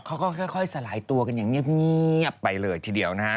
ค่อยสลายตัวกันอย่างเงียบไปเลยทีเดียวนะฮะ